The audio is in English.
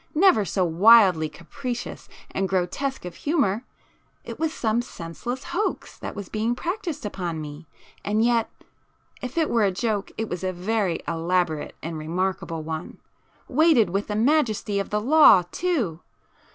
—never so wildly capricious and grotesque of humour! It was some senseless hoax that was being practised upon me, ... and yet, ... if it were a joke, it was a very elaborate and remarkable one! Weighted with the majesty of the law too!